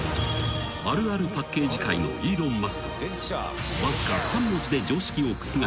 ［あるあるパッケージ界のイーロン・マスクはわずか３文字で常識を覆した］